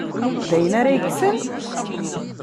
D ayen ara yekksen?